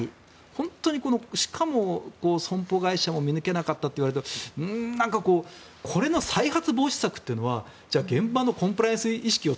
本当に、しかも損保会社も見抜けなかったといわれるとなんかこれの再発防止策って現場のコンプライアンス意識を